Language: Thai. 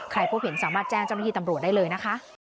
พบเห็นสามารถแจ้งเจ้าหน้าที่ตำรวจได้เลยนะคะ